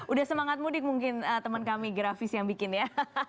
udah semangat mudik mungkin teman kami grafis yang bikin ya